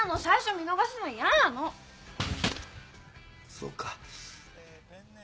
そうか。